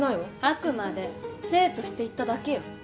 あくまで例として言っただけよ。